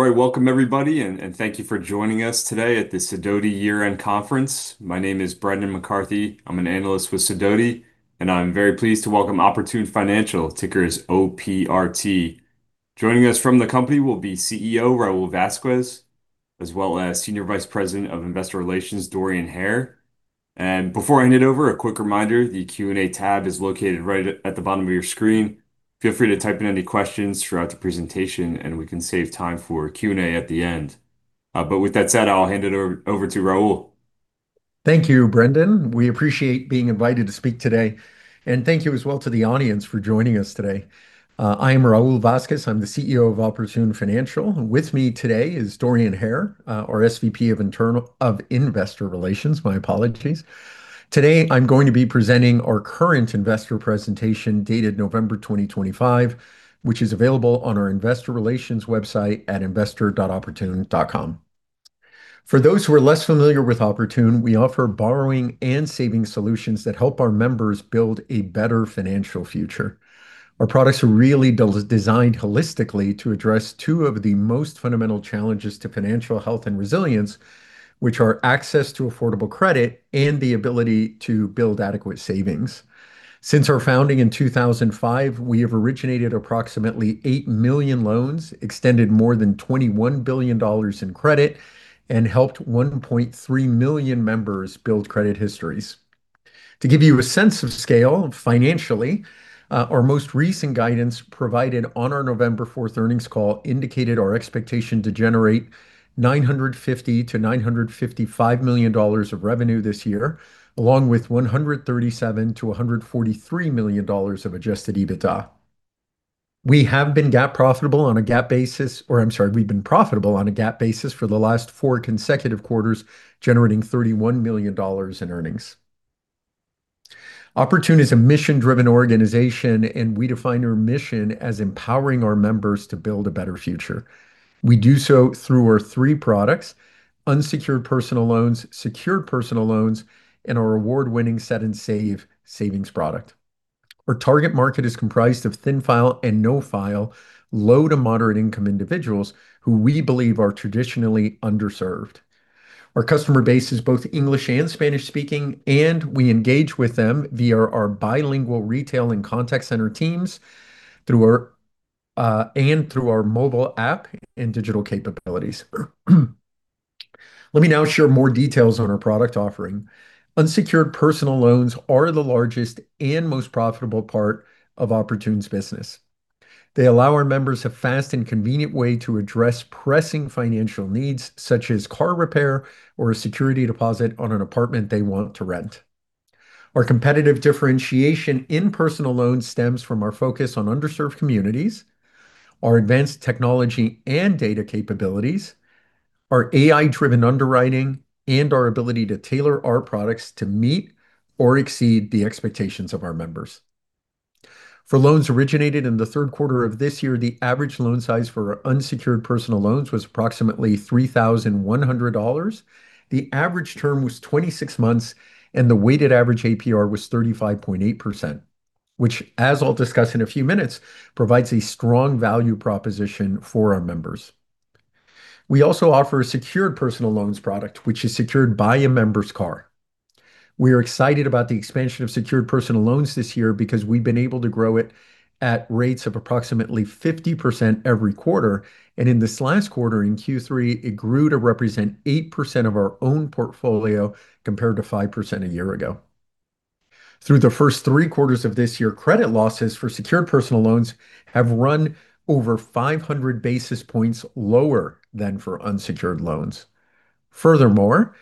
All right, welcome everybody, and thank you for joining us today at the Sidoti Year-End Conference. My name is Brendan McCarthy. I'm an analyst with Sidoti, and I'm very pleased to welcome Oportun Financial, ticker is OPRT. Joining us from the company will be CEO Raul Vazquez, as well as Senior Vice President of Investor Relations, Dorian Hare, and before I hand it over, a quick reminder: the Q&A tab is located right at the bottom of your screen. Feel free to type in any questions throughout the presentation, and we can save time for Q&A at the end, but with that said, I'll hand it over to Raul. Thank you, Brendan. We appreciate being invited to speak today, and thank you as well to the audience for joining us today. I am Raul Vazquez. I'm the CEO of Oportun Financial. With me today is Dorian Hare, our SVP of Investor Relations. My apologies. Today, I'm going to be presenting our current investor presentation dated November 2025, which is available on our Investor Relations website at investor.oportun.com. For those who are less familiar with Oportun, we offer borrowing and saving solutions that help our members build a better financial future. Our products are really designed holistically to address two of the most fundamental challenges to financial health and resilience, which are access to affordable credit and the ability to build adequate savings. Since our founding in 2005, we have originated approximately eight million loans, extended more than $21 billion in credit, and helped 1.3 million members build credit histories. To give you a sense of scale, financially, our most recent guidance provided on our November 4th earnings call indicated our expectation to generate $950 million-$955 million of revenue this year, along with $137-$143 million of Adjusted EBITDA. We have been GAAP profitable on a GAAP basis, or I'm sorry, we've been profitable on a GAAP basis for the last four consecutive quarters, generating $31 million in earnings. Oportun is a mission-driven organization, and we define our mission as empowering our members to build a better future. We do so through our three products: Unsecured Personal Loans, Secured Personal Loans, and our award-winning Set and Save savings product. Our target market is comprised of Thin File and No-File low to moderate-income individuals who we believe are traditionally underserved. Our customer base is both English and Spanish-speaking, and we engage with them via our bilingual retail and contact center teams and through our mobile app and digital capabilities. Let me now share more details on our product offering. Unsecured personal loans are the largest and most profitable part of Oportun's business. They allow our members a fast and convenient way to address pressing financial needs, such as car repair or a security deposit on an apartment they want to rent. Our competitive differentiation in personal loans stems from our focus on underserved communities, our advanced technology and data capabilities, our AI-driven underwriting, and our ability to tailor our products to meet or exceed the expectations of our members. For loans originated in the third quarter of this year, the average loan size for unsecured personal loans was approximately $3,100. The average term was 26 months, and the weighted average APR was 35.8%, which, as I'll discuss in a few minutes, provides a strong value proposition for our members. We also offer a secured personal loans product, which is secured by a member's car. We are excited about the expansion of secured personal loans this year because we've been able to grow it at rates of approximately 50% every quarter, and in this last quarter, in Q3, it grew to represent 8% of our own portfolio compared to 5% a year ago. Through the first three quarters of this year, credit losses for secured personal loans have run over 500 basis points lower than for unsecured loans. Furthermore,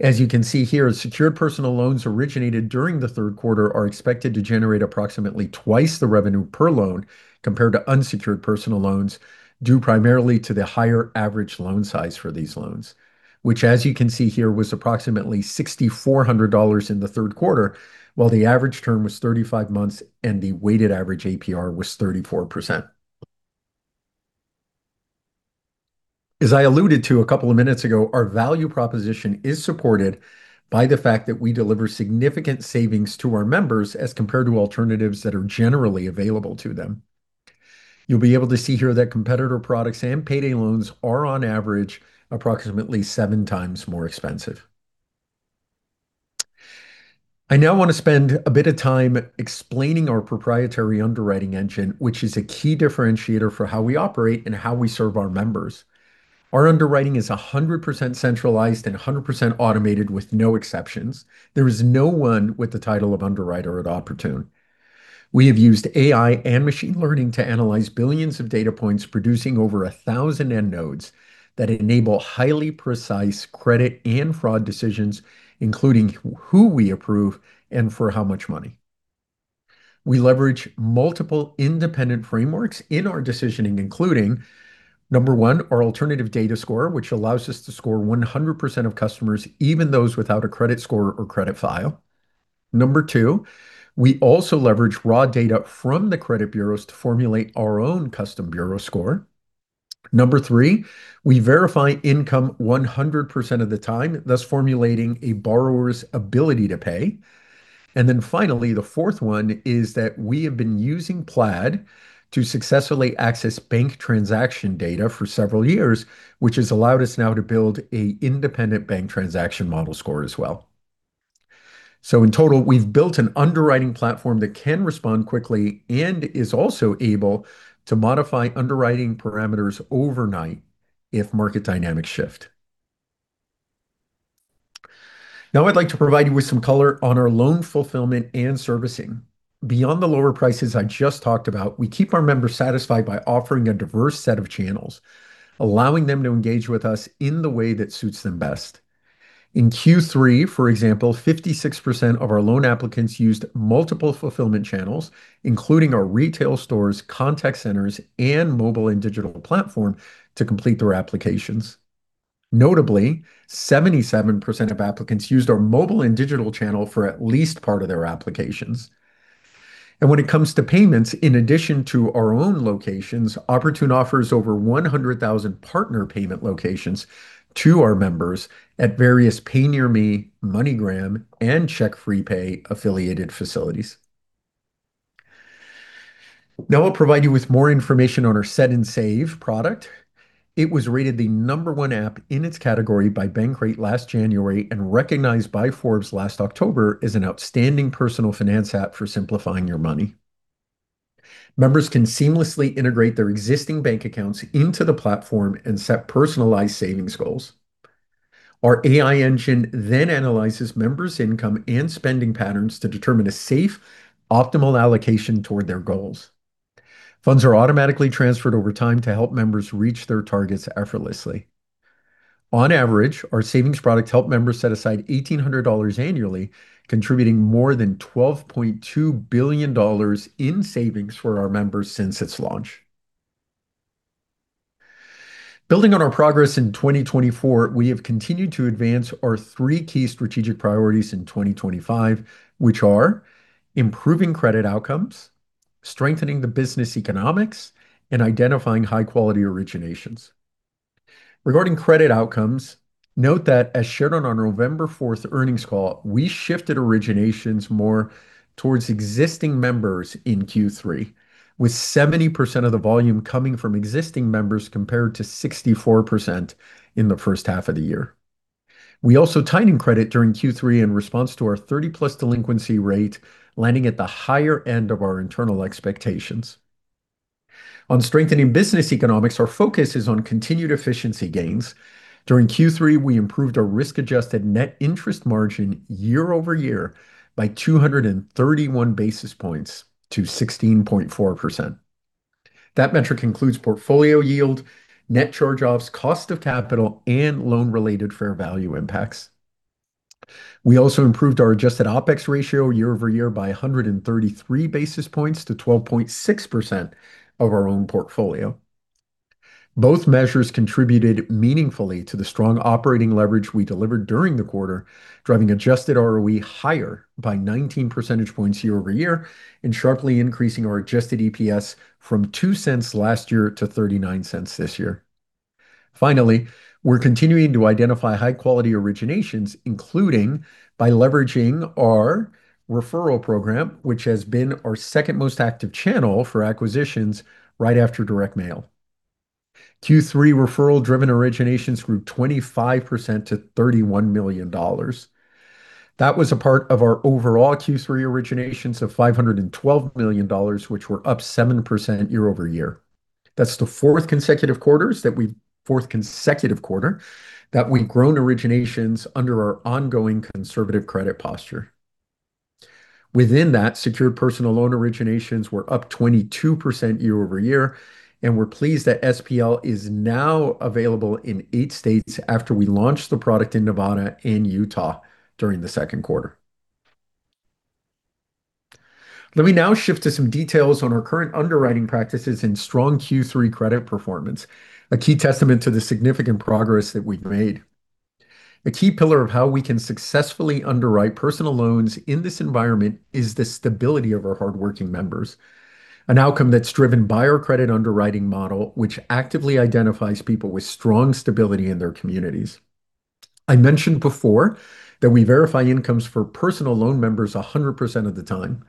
as you can see here, secured personal loans originated during the third quarter are expected to generate approximately twice the revenue per loan compared to unsecured personal loans due primarily to the higher average loan size for these loans, which, as you can see here, was approximately $6,400 in the third quarter, while the average term was 35 months and the weighted average APR was 34%. As I alluded to a couple of minutes ago, our value proposition is supported by the fact that we deliver significant savings to our members as compared to alternatives that are generally available to them. You'll be able to see here that competitor products and payday loans are, on average, approximately seven times more expensive. I now want to spend a bit of time explaining our proprietary underwriting engine, which is a key differentiator for how we operate and how we serve our members. Our underwriting is 100% centralized and 100% automated with no exceptions. There is no one with the title of underwriter at Oportun. We have used AI and machine learning to analyze billions of data points, producing over 1,000 end nodes that enable highly precise credit and fraud decisions, including who we approve and for how much money. We leverage multiple independent frameworks in our decisioning, including number one, our alternative data score, which allows us to score 100% of customers, even those without a credit score or credit file. Number two, we also leverage raw data from the credit bureaus to formulate our own custom bureau score. Number three, we verify income 100% of the time, thus formulating a borrower's ability to pay. And then finally, the fourth one is that we have been using Plaid to successfully access bank transaction data for several years, which has allowed us now to build an independent bank transaction model score as well. So in total, we've built an underwriting platform that can respond quickly and is also able to modify underwriting parameters overnight if market dynamics shift. Now, I'd like to provide you with some color on our loan fulfillment and servicing. Beyond the lower prices I just talked about, we keep our members satisfied by offering a diverse set of channels, allowing them to engage with us in the way that suits them best. In Q3, for example, 56% of our loan applicants used multiple fulfillment channels, including our retail stores, contact centers, and mobile and digital platform to complete their applications. Notably, 77% of applicants used our mobile and digital channel for at least part of their applications, and when it comes to payments, in addition to our own locations, Oportun offers over 100,000 partner payment locations to our members at various PayNearMe, MoneyGram, and CheckFreePay affiliated facilities. Now, I'll provide you with more information on our Set and Save product. It was rated the number one app in its category by Bankrate last January and recognized by Forbes last October as an outstanding personal finance app for simplifying your money. Members can seamlessly integrate their existing bank accounts into the platform and set personalized savings goals. Our AI engine then analyzes members' income and spending patterns to determine a safe, optimal allocation toward their goals. Funds are automatically transferred over time to help members reach their targets effortlessly. On average, our savings product helps members set aside $1,800 annually, contributing more than $12.2 billion in savings for our members since its launch. Building on our progress in 2024, we have continued to advance our three key strategic priorities in 2025, which are improving credit outcomes, strengthening the business economics, and identifying high-quality originations. Regarding credit outcomes, note that as shared on our November 4th earnings call, we shifted originations more towards existing members in Q3, with 70% of the volume coming from existing members compared to 64% in the first half of the year. We also tightened credit during Q3 in response to our 30+ delinquency rate, landing at the higher end of our internal expectations. On strengthening business economics, our focus is on continued efficiency gains. During Q3, we improved our risk-adjusted net interest margin year over year by 231 basis points to 16.4%. That metric includes portfolio yield, net charge-offs, cost of capital, and loan-related fair value impacts. We also improved our adjusted OpEx ratio year over year by 133 basis points to 12.6% of our own portfolio. Both measures contributed meaningfully to the strong operating leverage we delivered during the quarter, driving adjusted ROE higher by 19 percentage points year over year and sharply increasing our adjusted EPS from $0.02 last year to $0.39 this year. Finally, we're continuing to identify high-quality originations, including by leveraging our referral program, which has been our second most active channel for acquisitions right after direct mail. Q3 referral-driven originations grew 25% to $31 million. That was a part of our overall Q3 originations of $512 million, which were up 7% year over year. That's the fourth consecutive quarters that we've grown originations under our ongoing conservative credit posture. Within that, secured personal loan originations were up 22% year over year, and we're pleased that SPL is now available in eight states after we launched the product in Nevada and Utah during the second quarter. Let me now shift to some details on our current underwriting practices and strong Q3 credit performance, a key testament to the significant progress that we've made. A key pillar of how we can successfully underwrite personal loans in this environment is the stability of our hardworking members, an outcome that's driven by our credit underwriting model, which actively identifies people with strong stability in their communities. I mentioned before that we verify incomes for personal loan members 100% of the time.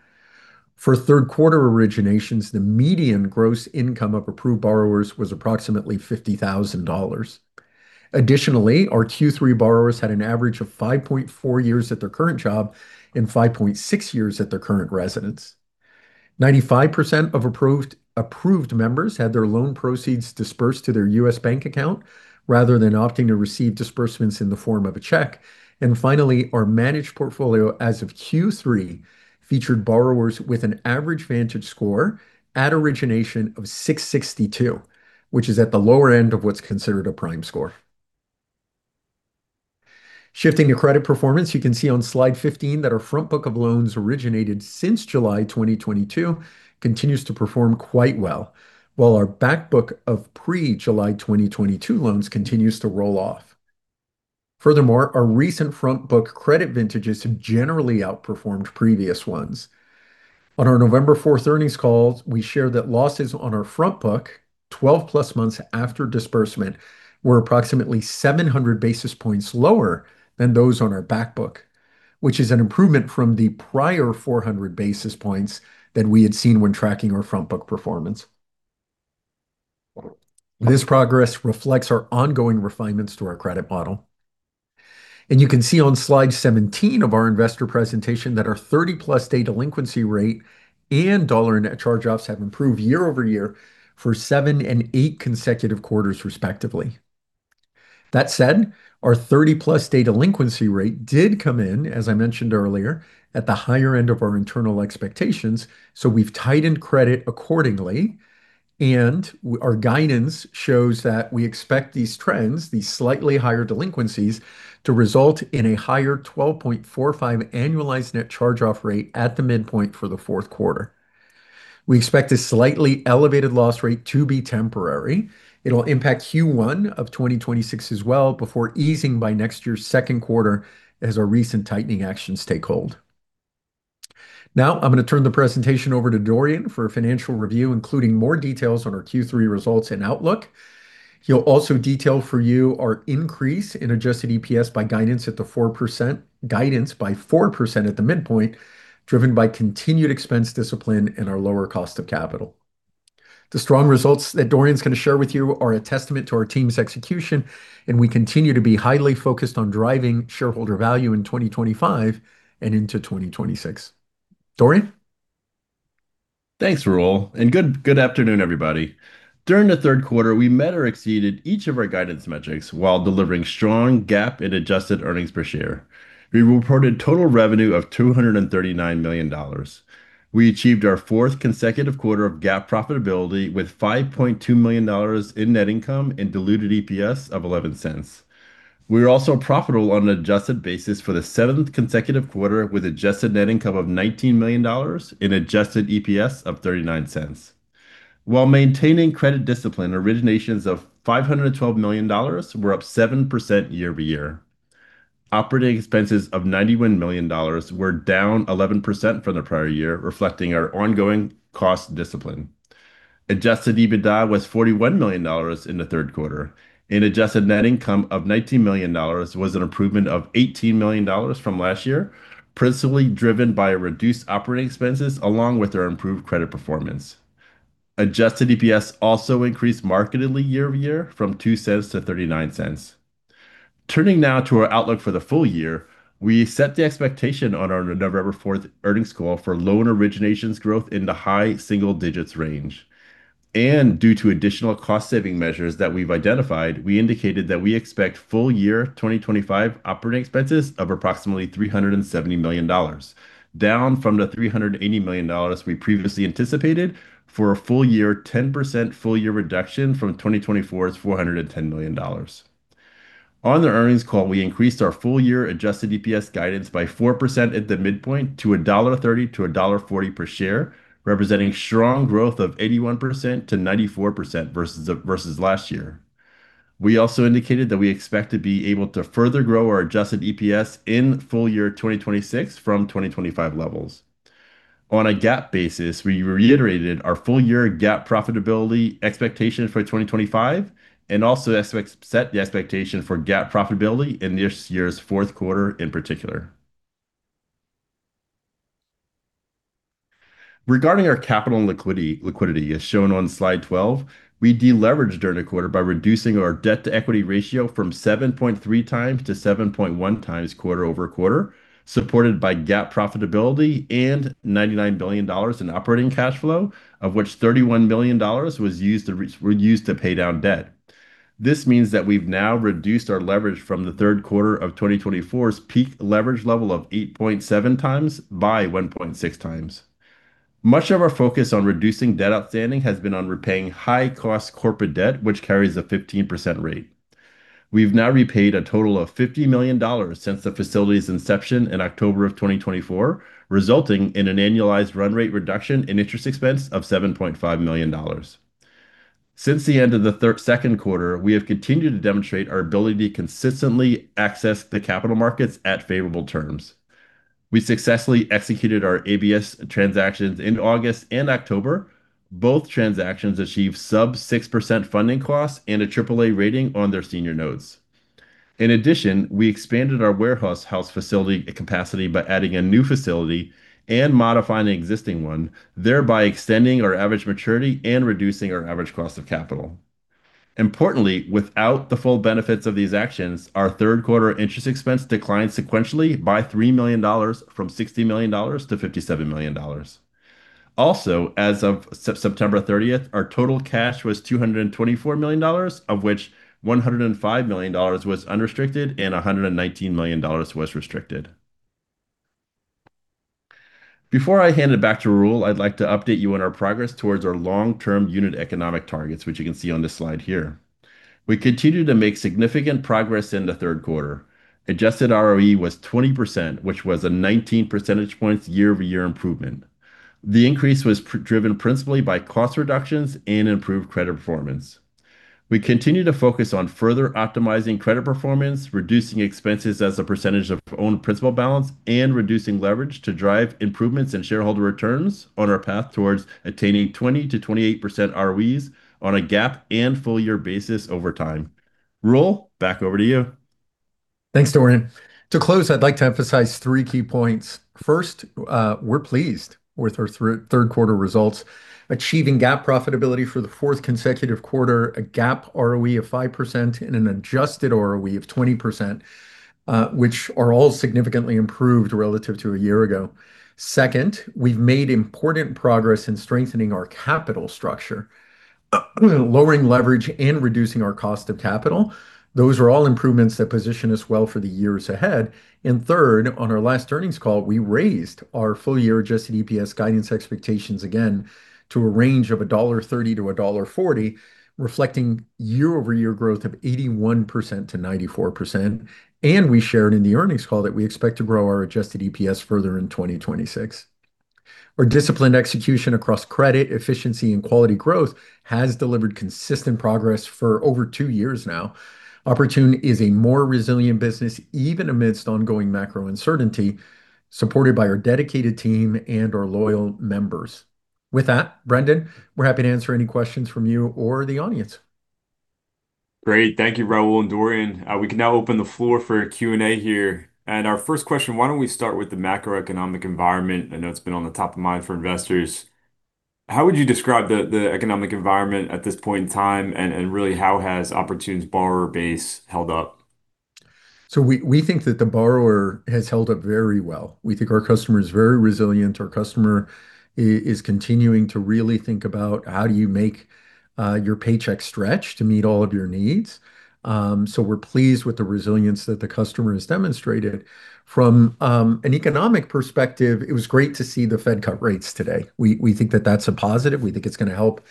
For third-quarter originations, the median gross income of approved borrowers was approximately $50,000. Additionally, our Q3 borrowers had an average of 5.4 years at their current job and 5.6 years at their current residence. 95% of approved members had their loan proceeds dispersed to their U.S. bank account rather than opting to receive disbursements in the form of a check, and finally, our managed portfolio as of Q3 featured borrowers with an average VantageScore at origination of 662, which is at the lower end of what's considered a prime score. Shifting to credit performance, you can see on slide 15 that our front book of loans originated since July 2022 continues to perform quite well, while our back book of pre-July 2022 loans continues to roll off. Furthermore, our recent front book credit vintages have generally outperformed previous ones. On our November 4th earnings calls, we shared that losses on our front book 12+ months after disbursement were approximately 700 basis points lower than those on our back book, which is an improvement from the prior 400 basis points that we had seen when tracking our front book performance. This progress reflects our ongoing refinements to our credit model. And you can see on slide 17 of our investor presentation that our 30+ day delinquency rate and dollar net charge-offs have improved year over year for 7 and 8 consecutive quarters, respectively. That said, our 30+ day delinquency rate did come in, as I mentioned earlier, at the higher end of our internal expectations, so we've tightened credit accordingly. And our guidance shows that we expect these trends, these slightly higher delinquencies, to result in a higher 12.45 annualized net charge-off rate at the midpoint for the fourth quarter. We expect a slightly elevated loss rate to be temporary. It'll impact Q1 of 2026 as well before easing by next year's second quarter as our recent tightening actions take hold. Now, I'm going to turn the presentation over to Dorian for a financial review, including more details on our Q3 results and outlook. He'll also detail for you our increase in adjusted EPS by guidance at the 4% guidance by 4% at the midpoint, driven by continued expense discipline and our lower cost of capital. The strong results that Dorian's going to share with you are a testament to our team's execution, and we continue to be highly focused on driving shareholder value in 2025 and into 2026. Dorian? Thanks, Raul, and good afternoon, everybody. During the third quarter, we met or exceeded each of our guidance metrics while delivering strong GAAP and adjusted earnings per share. We reported total revenue of $239 million. We achieved our fourth consecutive quarter of GAAP profitability with $5.2 million in net income and diluted EPS of $0.11. We were also profitable on an adjusted basis for the seventh consecutive quarter with adjusted net income of $19 million and adjusted EPS of $0.39. While maintaining credit discipline, originations of $512 million were up 7% year over year. Operating expenses of $91 million were down 11% from the prior year, reflecting our ongoing cost discipline. Adjusted EBITDA was $41 million in the third quarter, and adjusted net income of $19 million was an improvement of $18 million from last year, principally driven by reduced operating expenses along with our improved credit performance. Adjusted EPS also increased markedly year over year from $0.02-$0.39. Turning now to our outlook for the full year, we set the expectation on our November 4th earnings call for loan originations growth in the high single digits range. And due to additional cost-saving measures that we've identified, we indicated that we expect full year 2025 operating expenses of approximately $370 million, down from the $380 million we previously anticipated, for a full year 10% full year reduction from 2024's $410 million. On the earnings call, we increased our full year Adjusted EPS guidance by 4% at the midpoint to $1.30-$1.40 per share, representing strong growth of 81%-94% versus last year. We also indicated that we expect to be able to further grow our Adjusted EPS in full year 2026 from 2025 levels. On a GAAP basis, we reiterated our full year GAAP profitability expectation for 2025 and also set the expectation for GAAP profitability in this year's fourth quarter in particular. Regarding our capital and liquidity, as shown on slide 12, we deleveraged during the quarter by reducing our debt to equity ratio from 7.3 times to 7.1 times quarter over quarter, supported by GAAP profitability and $99 billion in operating cash flow, of which $31 million was used to pay down debt. This means that we've now reduced our leverage from the third quarter of 2024's peak leverage level of 8.7 times by 1.6 times. Much of our focus on reducing debt outstanding has been on repaying high-cost corporate debt, which carries a 15% rate. We've now repaid a total of $50 million since the facility's inception in October of 2024, resulting in an annualized run rate reduction in interest expense of $7.5 million. Since the end of the second quarter, we have continued to demonstrate our ability to consistently access the capital markets at favorable terms. We successfully executed our ABS transactions in August and October. Both transactions achieved sub-6% funding costs and a AAA rating on their senior notes. In addition, we expanded our warehouse facility capacity by adding a new facility and modifying an existing one, thereby extending our average maturity and reducing our average cost of capital. Importantly, without the full benefits of these actions, our third quarter interest expense declined sequentially by $3 million from $60 million-$57 million. Also, as of September 30th, our total cash was $224 million, of which $105 million was unrestricted and $119 million was restricted. Before I hand it back to Raul, I'd like to update you on our progress towards our long-term unit economic targets, which you can see on this slide here. We continue to make significant progress in the third quarter. Adjusted ROE was 20%, which was a 19 percentage points year-over-year improvement. The increase was driven principally by cost reductions and improved credit performance. We continue to focus on further optimizing credit performance, reducing expenses as a percentage of loan principal balance, and reducing leverage to drive improvements in shareholder returns on our path towards attaining 20%-28% ROEs on a GAAP and full-year basis over time. Raul, back over to you. Thanks, Dorian. To close, I'd like to emphasize three key points. First, we're pleased with our third-quarter results, achieving GAAP profitability for the fourth consecutive quarter, a GAAP ROE of 5%, and an adjusted ROE of 20%, which are all significantly improved relative to a year ago. Second, we've made important progress in strengthening our capital structure, lowering leverage, and reducing our cost of capital. Those are all improvements that position us well for the years ahead. And third, on our last earnings call, we raised our full-year adjusted EPS guidance expectations again to a range of $1.30-$1.40, reflecting year-over-year growth of 81%-94%. And we shared in the earnings call that we expect to grow our adjusted EPS further in 2026. Our disciplined execution across credit, efficiency, and quality growth has delivered consistent progress for over two years now. Oportun is a more resilient business, even amidst ongoing macro uncertainty, supported by our dedicated team and our loyal members. With that, Brendan, we're happy to answer any questions from you or the audience. Great. Thank you, Raul and Dorian. We can now open the floor for a Q&A here, and our first question, why don't we start with the macroeconomic environment? I know it's been on the top of mind for investors. How would you describe the economic environment at this point in time? And really, how has Oportun's borrower base held up? So we think that the borrower has held up very well. We think our customer is very resilient. Our customer is continuing to really think about how do you make your paycheck stretch to meet all of your needs. So we're pleased with the resilience that the customer has demonstrated. From an economic perspective, it was great to see the Fed cut rates today. We think that that's a positive. We think it's going to help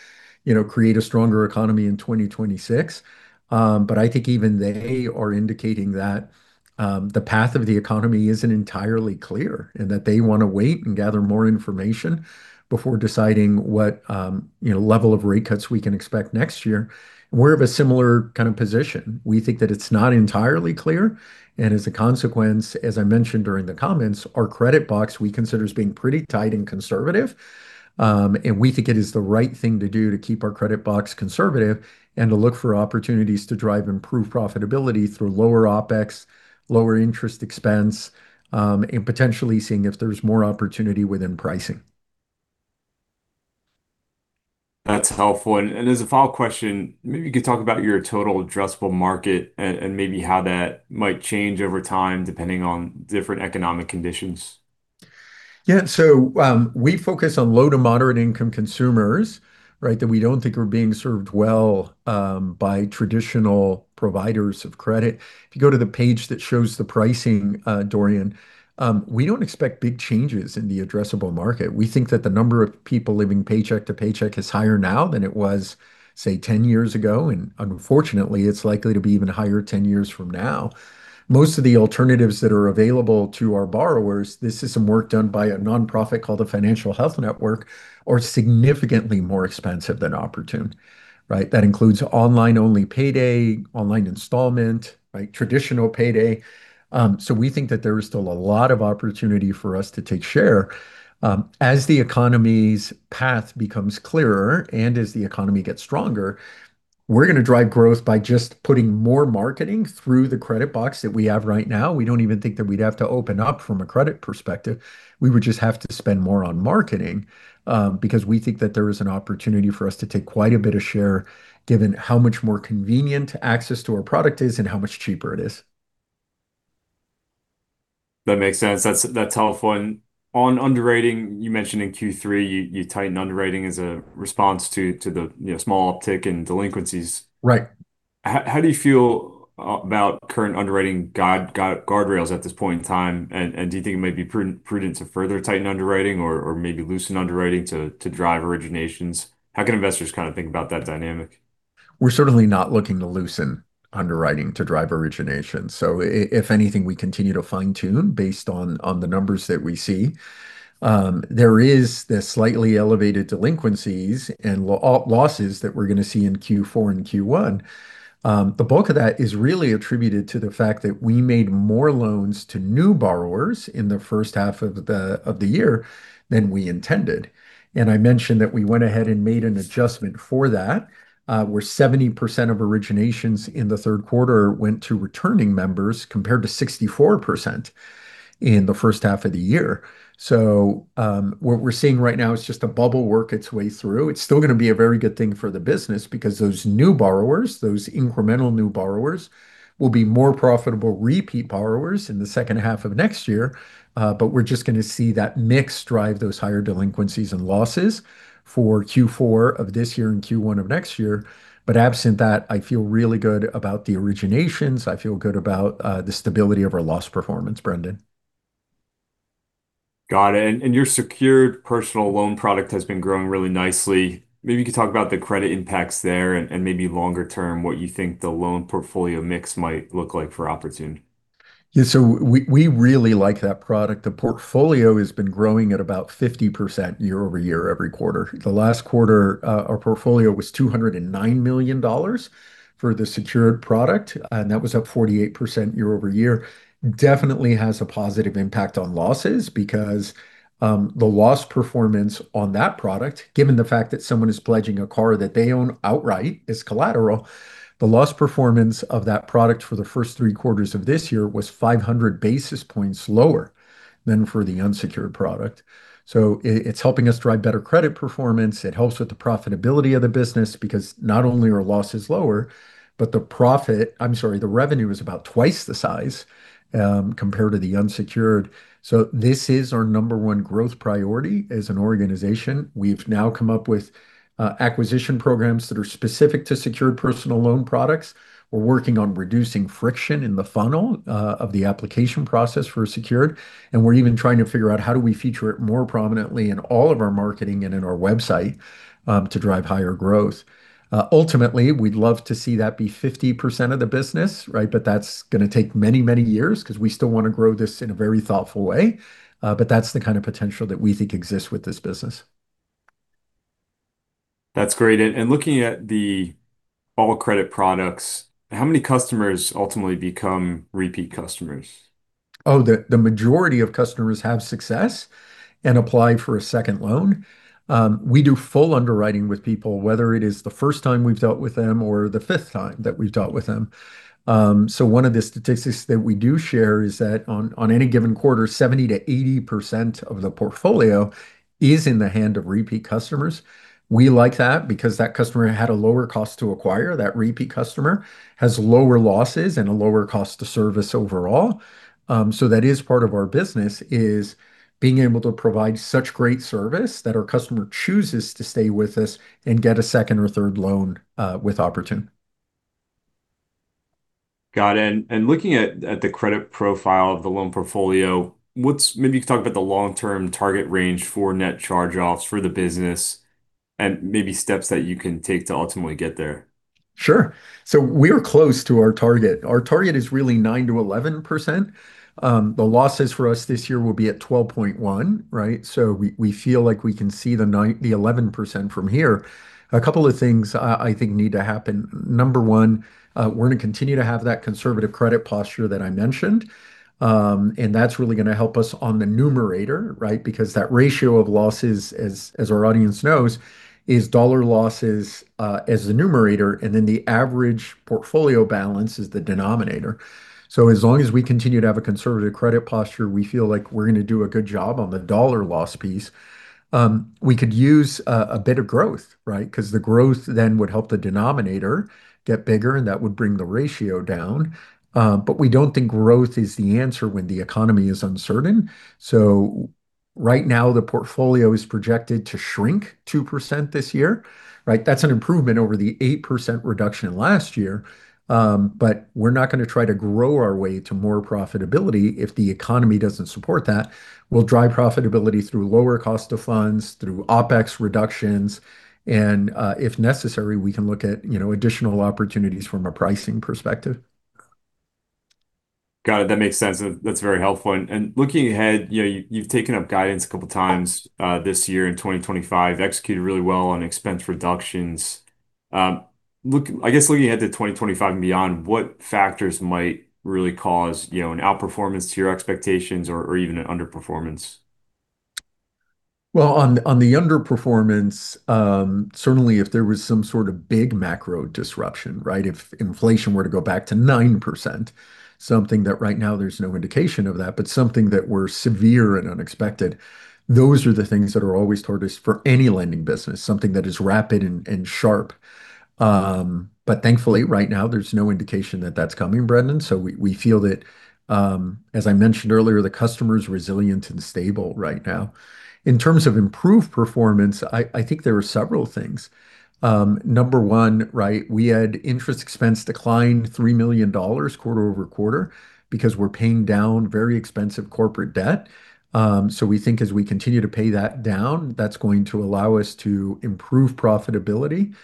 create a stronger economy in 2026, but I think even they are indicating that the path of the economy isn't entirely clear and that they want to wait and gather more information before deciding what level of rate cuts we can expect next year. We're of a similar kind of position. We think that it's not entirely clear, and as a consequence, as I mentioned during the comments, our credit box we consider as being pretty tight and conservative, and we think it is the right thing to do to keep our credit box conservative and to look for opportunities to drive improved profitability through lower OpEx, lower interest expense, and potentially seeing if there's more opportunity within pricing. That's helpful. And as a follow-up question, maybe you could talk about your total addressable market and maybe how that might change over time depending on different economic conditions. Yeah. So we focus on low to moderate-income consumers that we don't think are being served well by traditional providers of credit. If you go to the page that shows the pricing, Dorian, we don't expect big changes in the addressable market. We think that the number of people living paycheck to paycheck is higher now than it was, say, 10 years ago. And unfortunately, it's likely to be even higher 10 years from now. Most of the alternatives that are available to our borrowers, this is some work done by a nonprofit called the Financial Health Network, are significantly more expensive than Oportun. That includes online-only payday, online installment, traditional payday. So we think that there is still a lot of opportunity for us to take share. As the economy's path becomes clearer and as the economy gets stronger, we're going to drive growth by just putting more marketing through the credit box that we have right now. We don't even think that we'd have to open up from a credit perspective. We would just have to spend more on marketing because we think that there is an opportunity for us to take quite a bit of share given how much more convenient access to our product is and how much cheaper it is. That makes sense. That's helpful. On underwriting, you mentioned in Q3 you tightened underwriting as a response to the small uptick in delinquencies. Right. How do you feel about current underwriting guardrails at this point in time? And do you think it may be prudent to further tighten underwriting or maybe loosen underwriting to drive originations? How can investors kind of think about that dynamic? We're certainly not looking to loosen underwriting to drive originations. So if anything, we continue to fine-tune based on the numbers that we see. There is the slightly elevated delinquencies and losses that we're going to see in Q4 and Q1. The bulk of that is really attributed to the fact that we made more loans to new borrowers in the first half of the year than we intended. And I mentioned that we went ahead and made an adjustment for that, where 70% of originations in the third quarter went to returning members compared to 64% in the first half of the year. So what we're seeing right now is just a bubble working its way through. It's still going to be a very good thing for the business because those new borrowers, those incremental new borrowers, will be more profitable repeat borrowers in the second half of next year. But we're just going to see that mix drive those higher delinquencies and losses for Q4 of this year and Q1 of next year. But absent that, I feel really good about the originations. I feel good about the stability of our loss performance, Brendan. Got it. And your secured personal loan product has been growing really nicely. Maybe you could talk about the credit impacts there and maybe longer term, what you think the loan portfolio mix might look like for Oportun. Yeah. So we really like that product. The portfolio has been growing at about 50% year over year every quarter. The last quarter, our portfolio was $209 million for the secured product, and that was up 48% year over year. Definitely has a positive impact on losses because the loss performance on that product, given the fact that someone is pledging a car that they own outright as collateral, the loss performance of that product for the first three quarters of this year was 500 basis points lower than for the unsecured product. So it's helping us drive better credit performance. It helps with the profitability of the business because not only are losses lower, but the profit, I'm sorry, the revenue is about twice the size compared to the unsecured. So this is our number one growth priority as an organization. We've now come up with acquisition programs that are specific to secured personal loan products. We're working on reducing friction in the funnel of the application process for secured. And we're even trying to figure out how do we feature it more prominently in all of our marketing and in our website to drive higher growth. Ultimately, we'd love to see that be 50% of the business, but that's going to take many, many years because we still want to grow this in a very thoughtful way. But that's the kind of potential that we think exists with this business. That's great. And looking at the all credit products, how many customers ultimately become repeat customers? Oh, the majority of customers have success and apply for a second loan. We do full underwriting with people, whether it is the first time we've dealt with them or the fifth time that we've dealt with them. So one of the statistics that we do share is that on any given quarter, 70%-80% of the portfolio is in the hands of repeat customers. We like that because that customer had a lower cost to acquire. That repeat customer has lower losses and a lower cost to service overall. So that is part of our business, is being able to provide such great service that our customer chooses to stay with us and get a second or third loan with Oportun. Got it. And looking at the credit profile of the loan portfolio, maybe you could talk about the long-term target range for net charge-offs for the business and maybe steps that you can take to ultimately get there. Sure. So we're close to our target. Our target is really 9%-11%. The losses for us this year will be at 12.1%. So we feel like we can see the 11% from here. A couple of things I think need to happen. Number one, we're going to continue to have that conservative credit posture that I mentioned. And that's really going to help us on the numerator because that ratio of losses, as our audience knows, is dollar losses as the numerator, and then the average portfolio balance is the denominator. So as long as we continue to have a conservative credit posture, we feel like we're going to do a good job on the dollar loss piece. We could use a bit of growth because the growth then would help the denominator get bigger, and that would bring the ratio down. But we don't think growth is the answer when the economy is uncertain. So right now, the portfolio is projected to shrink 2% this year. That's an improvement over the 8% reduction last year. But we're not going to try to grow our way to more profitability if the economy doesn't support that. We'll drive profitability through lower cost of funds, through OpEx reductions. And if necessary, we can look at additional opportunities from a pricing perspective. Got it. That makes sense. That's very helpful. And looking ahead, you've taken up guidance a couple of times this year in 2025, executed really well on expense reductions. I guess looking ahead to 2025 and beyond, what factors might really cause an outperformance to your expectations or even an underperformance? Well, on the underperformance, certainly if there was some sort of big macro disruption, if inflation were to go back to 9%, something that right now there's no indication of that, but something that were severe and unexpected, those are the things that are always torture for any lending business, something that is rapid and sharp, but thankfully, right now, there's no indication that that's coming, Brendan, so we feel that, as I mentioned earlier, the customer is resilient and stable right now. In terms of improved performance, I think there are several things. Number one, we had interest expense decline $3 million quarter over quarter because we're paying down very expensive corporate debt, so we think as we continue to pay that down, that's going to allow us to improve profitability.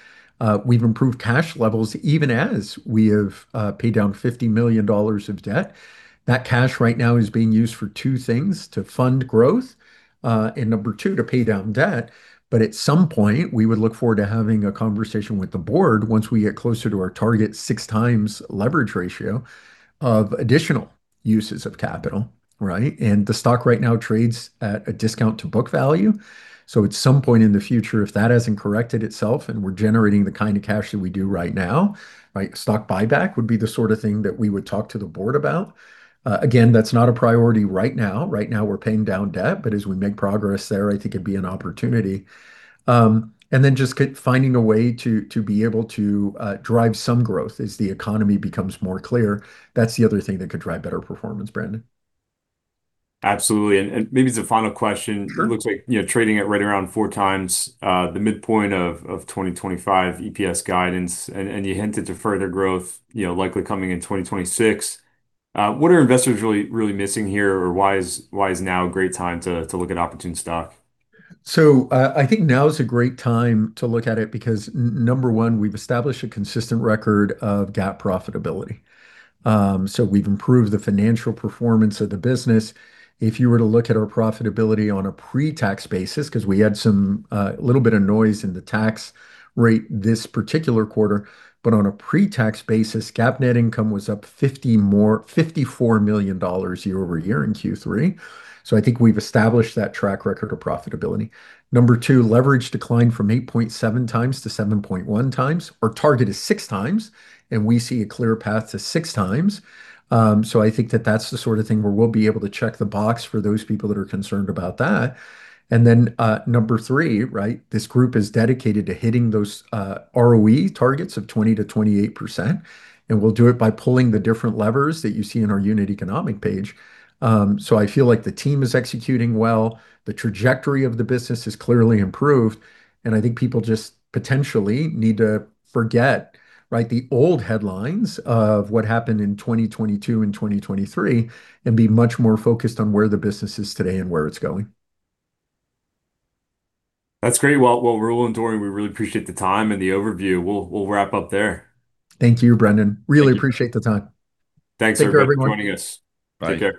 We've improved cash levels even as we have paid down $50 million of debt. That cash right now is being used for two things: to fund growth and number two, to pay down debt. But at some point, we would look forward to having a conversation with the board once we get closer to our target six-times leverage ratio of additional uses of capital. And the stock right now trades at a discount to book value. So at some point in the future, if that hasn't corrected itself and we're generating the kind of cash that we do right now, stock buyback would be the sort of thing that we would talk to the board about. Again, that's not a priority right now. Right now, we're paying down debt. But as we make progress there, I think it'd be an opportunity. And then just finding a way to be able to drive some growth as the economy becomes more clear, that's the other thing that could drive better performance, Brendan. Absolutely. And maybe it's a final question. It looks like trading at right around four times the midpoint of 2025 EPS guidance. And you hinted to further growth likely coming in 2026. What are investors really missing here or why is now a great time to look at Oportun stock? So I think now is a great time to look at it because, number one, we've established a consistent record of GAAP profitability. So we've improved the financial performance of the business. If you were to look at our profitability on a pre-tax basis, because we had a little bit of noise in the tax rate this particular quarter, but on a pre-tax basis, GAAP net income was up $54 million year over year in Q3. So I think we've established that track record of profitability. Number two, leverage declined from 8.7 times-7.1 times. Our target is six times, and we see a clear path to six times. So I think that that's the sort of thing where we'll be able to check the box for those people that are concerned about that. And then number three, this group is dedicated to hitting those ROE targets of 20%-28%. And we'll do it by pulling the different levers that you see in our unit economic page. So I feel like the team is executing well. The trajectory of the business is clearly improved. And I think people just potentially need to forget the old headlines of what happened in 2022 and 2023 and be much more focused on where the business is today and where it's going. That's great. Well, we're rolling, Raul, Dorian. We really appreciate the time and the overview. We'll wrap up there. Thank you, Brendan. Really appreciate the time. Thanks for joining us. Take care.